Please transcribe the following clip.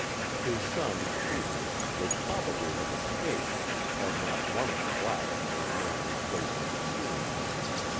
His son, Peter, would piobably have escaped had not one of the blacks made known his place of concealment.